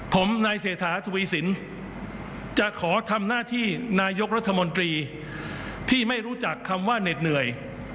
ผมนายเศรษฐาทวีสินจะขอทำหน้าที่นายกรัฐมนตรีที่ไม่รู้จักคำว่าเหน็ดเหนื่อย